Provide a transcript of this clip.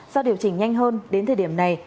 do điều chỉnh nhanh hơn đến thời điểm này